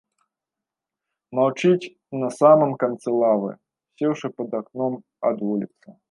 Маўчыць на самым канцы лавы, сеўшы пад акном ад вуліцы.